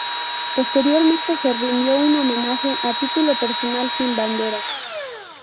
Posteriormente le rindió un homenaje a título personal, sin banderas.